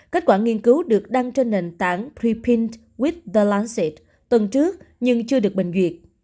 kết quả nghiên cứu được đăng trên nền tảng pre pint with the lancet tuần trước nhưng chưa được bình duyệt